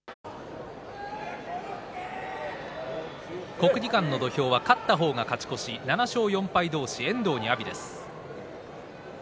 国技館の土俵は勝った方が勝ち越し７勝４敗同士、遠藤と阿炎です。